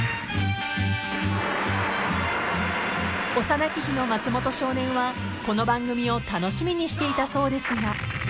［幼き日の松本少年はこの番組を楽しみにしていたそうですが］